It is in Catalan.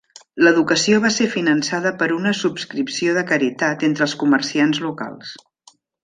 L'educació va ser finançada per una subscripció de caritat entre els comerciants locals.